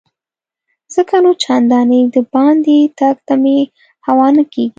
ځکه نو چنداني دباندې تګ ته مې هوا نه کیږي.